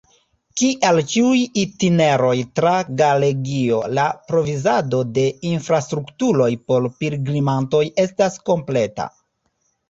Kiel ĉiuj itineroj tra Galegio, la provizado de infrastrukturoj por pilgrimantoj estas kompleta.